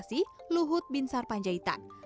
kemaritiman dan investasi luhut bin sar panjaitan